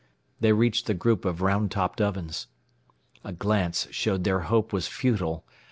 They reached the group of round topped ovens. A glance showed that their hope was futile.